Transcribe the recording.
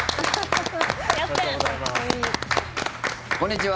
こんにちは。